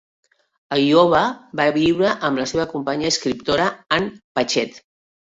A Iowa va viure amb la seva companya escriptora, Ann Patchett.